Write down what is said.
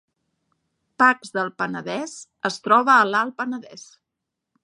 Pacs del Penedès es troba a l’Alt Penedès